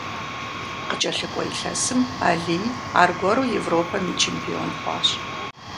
КъыкӀэлъыкӀуэ илъэсым Алий аргуэру Европэм и чемпион хъуащ.